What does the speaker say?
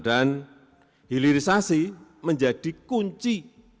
dan ilirisasi menjadi kunci